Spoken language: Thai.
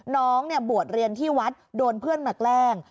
น้องเนี่ยบวชเรียนที่วัดโดนเพื่อนมาแกล้ง